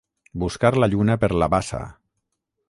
Buscar la lluna per la bassa.